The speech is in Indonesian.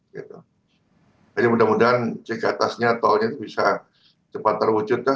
jadi mudah mudahan jika atasnya tolnya bisa cepat terwujud